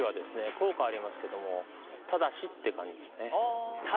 効果ありますけどもただしって感じですね。